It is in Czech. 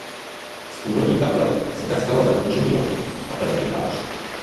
Z původní kaple se tak stalo zakončení lodi a presbytář.